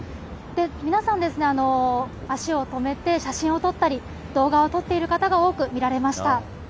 皆さんですね、足を止めて写真を撮ったり、動画を撮っている方が多く見られました。